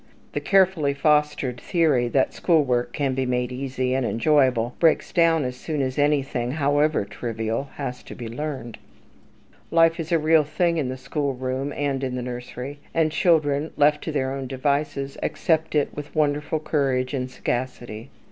The carefully fostered theory that school work can be made easy and enjoyable breaks down as soon as anything, however trivial, has to be learned. Life is a real thing in the school room and in the nursery; and children left to their own devices accept it with wonderful courage and sagacity.